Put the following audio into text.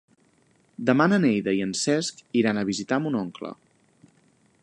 Demà na Neida i en Cesc iran a visitar mon oncle.